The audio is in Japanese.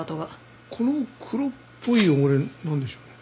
この黒っぽい汚れなんでしょう？